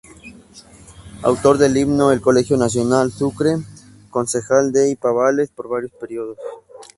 Autor del himno al Colegio Nacional Sucre, concejal de Ipiales por varios periodos.